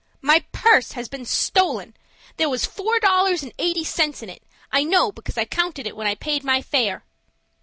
"My purse has been stolen. There was four dollars and eighty cents in it. I know, because I counted it when I paid my fare."